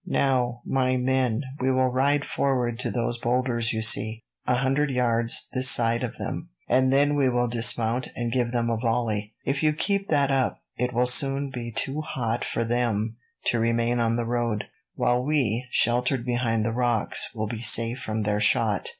"Now, my men, we will ride forward to those boulders you see, a hundred yards this side of them, and then we will dismount and give them a volley. If you keep that up, it will soon be too hot for them to remain on the road; while we, sheltered behind the rocks, will be safe from their shot.